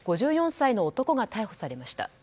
５４歳の男逮捕されました。